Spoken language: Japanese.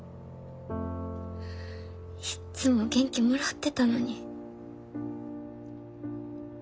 いっつも元気もらってたのに。